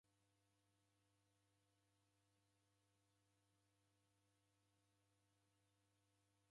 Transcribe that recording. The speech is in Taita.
W'andu w'engi w'aw'iaendelia kufwa kwa chia isemanyikagha.